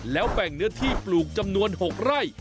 แล้วแบ่งเนื้อที่ปลูกจำนวน๖ไร่